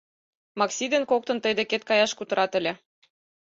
Макси ден коктын тый декет каяш кутырат ыле.